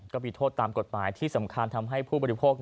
ก็มีโทษตามกฎหมายที่สำคัญทำให้ผู้บริโภค